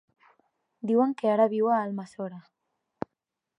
Diuen que ara viu a Almassora.